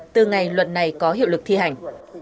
từ ngày luật này có hiệu lực thi hành